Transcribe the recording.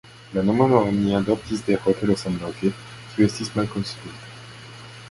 La nomon oni adoptis de hotelo samloke, kiu estis malkonstruita.